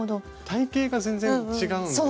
体型が全然違うんでね。